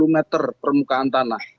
lima puluh meter permukaan tanah